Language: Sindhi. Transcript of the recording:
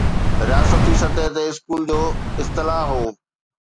رياستي سطح تي اسڪول جو اصطلاح هو